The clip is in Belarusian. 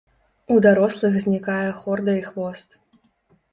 У дарослых знікае хорда і хвост.